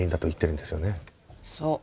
そう。